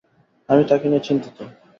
আমি তাকে নিয়ে চিন্তিত।